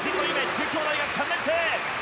中京大学３年生。